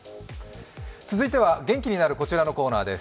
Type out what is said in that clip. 続いては元気になるこちらのコーナーです。